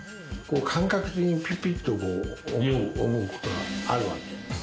感覚的にピピっと思うことがあるわけ。